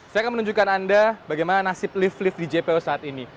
saya akan menunjukkan anda bagaimana nasib lift lift di jpo saat ini